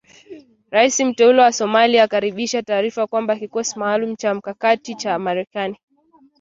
Rais mteule wa Somalia anakaribisha taarifa kwamba kikosi maalum cha mkakati cha Marekani